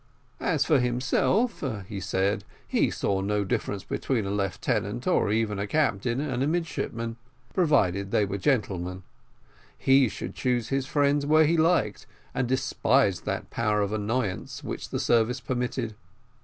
As for himself, he said, he saw no difference between a lieutenant, or even a captain, and a midshipman, provided they were gentlemen: he should choose his friends where he liked, and despised that power of annoyance which the service permitted.